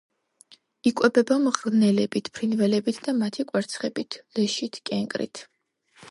იკვებება მღრღნელებით, ფრინველებით და მათი კვერცხებით, ლეშით, კენკრით.